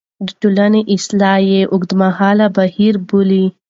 د ټولنې اصلاح يې اوږدمهاله بهير باله.